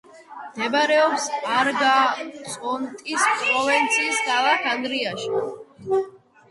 მდებარეობს არაგაწოტნის პროვინციის ქალაქ აშტარაკში.